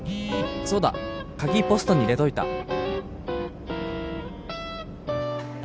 そうだ鍵ポストに入れといた」